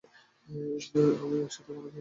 আমরা একসাথে ক্ষমা চাইবো।